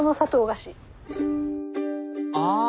ああ！